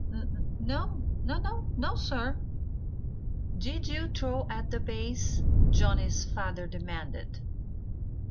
"N no! N no, sir!" "Did you throw at the bays?" Johnnie's father demanded.